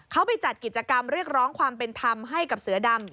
เขาไปจัดกิจกรรมเรียกร้องความเป็นธรรมให้กับเสือดำ